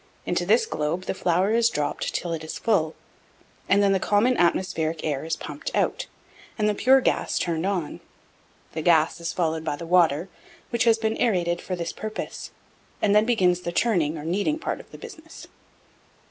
Into this globe the flour is dropped till it is full, and then the common atmospheric air is pumped out, and the pure gas turned on. The gas is followed by the water, which has been aërated for the purpose, and then begins the churning or kneading part of the business.